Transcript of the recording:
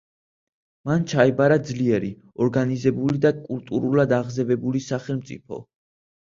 მან ჩაიბარა ძლიერი, ორგანიზებული და კულტურულად აღზევებული სახელმწიფო.